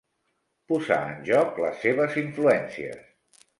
Posar en joc les seves influències.